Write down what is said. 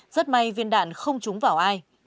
rất may viên đạn không trúng vào ai